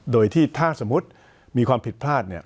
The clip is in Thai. โดยที่ถ้าสมมุติมีความผิดพลาดเนี่ย